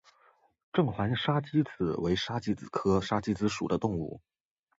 正环沙鸡子为沙鸡子科沙子鸡属的动物。